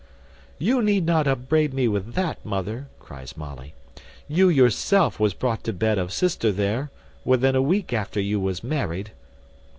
"You need not upbraid me with that, mother," cries Molly; "you yourself was brought to bed of sister there, within a week after you was married."